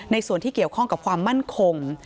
ส่วนที่เกี่ยวข้องกับความมั่นคง